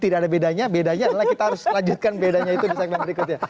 tidak ada bedanya bedanya adalah kita harus lanjutkan bedanya itu di segmen berikutnya